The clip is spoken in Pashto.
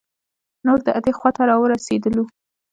نور د اډې خواته را ورسیدلو.